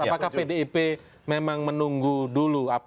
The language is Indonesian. apakah pdip memang menunggu dulu